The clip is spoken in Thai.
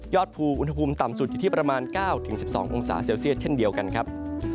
ภูมิอุณหภูมิต่ำสุดอยู่ที่ประมาณ๙๑๒องศาเซลเซียสเช่นเดียวกันครับ